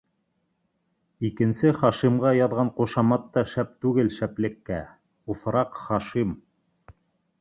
Икенсе Хашимға яҙған ҡушамат та шәп түгел шәплеккә: Уҫыраҡ Хашим.